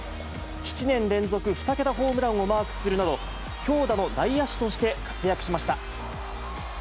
７年連続２桁ホームランをマークするなど、強打の内野手として活躍しました。